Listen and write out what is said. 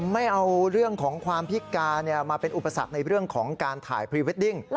ไม่เอาเรื่องของความพิการมาเป็นอุปสรรคในเรื่องของการถ่ายพรีเวดดิ้ง